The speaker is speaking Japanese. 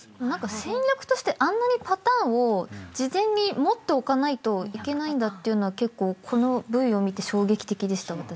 何か戦略としてあんなにパターンを事前に持っておかないといけないんだっていうのは結構このＶを見て衝撃的でした。